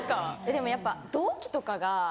でもやっぱ同期とかが。